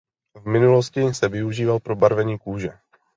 V minulosti se využíval pro barvení kůže.